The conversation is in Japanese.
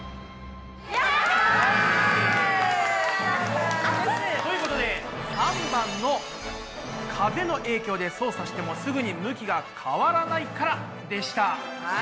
やった！ということで３番の「風の影響で操作してもすぐに向きが変わらないから」でした。